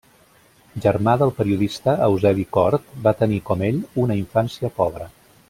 Germà del periodista Eusebi Cort, va tenir, com ell, una infància pobra.